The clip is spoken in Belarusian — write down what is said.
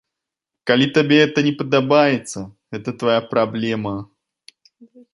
Калі табе гэта не падабаецца, гэта твая праблема.